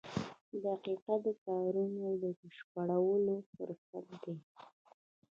• دقیقه د کارونو د بشپړولو فرصت دی.